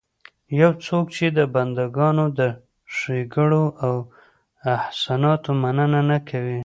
يو څوک چې د بنده ګانو د ښېګړو او احساناتو مننه نه کوي